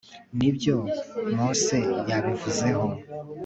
ni byo mose yabivuzeho